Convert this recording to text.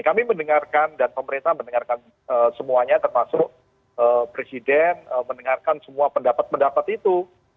kami mendengarkan dan pemerintah mendengarkan semuanya termasuk presiden mendengarkan semua pendapat pendapat itu